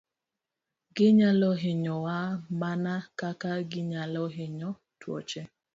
Ginyalo hinyowa mana kaka ginyalo hinyo tuoche.